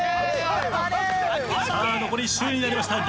残り１周になりました